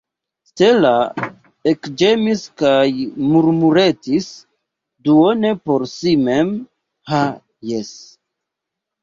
Stella ekĝemis kaj murmuretis duone por si mem: « Ha, jes! »